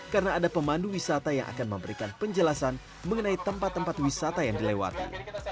karena ada pemandu wisata yang akan memberikan penjelasan mengenai tempat tempat wisata yang dilewati